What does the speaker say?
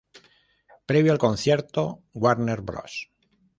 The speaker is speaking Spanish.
Previo al concierto, Warner Bros.